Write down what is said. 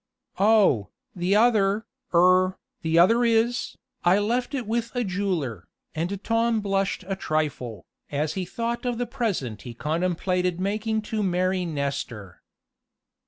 "Oh, the other er the other is I left it with a jeweler," and Tom blushed a trifle, as he thought of the present he contemplated making to Mary Nestor.